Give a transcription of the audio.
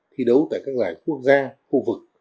thi đấu tại các giải quốc gia khu vực